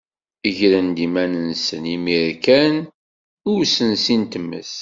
Gren-d iman-nsen imir kan i usensi n tmes.